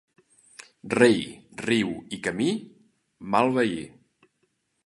Rei, riu i camí, mal veí.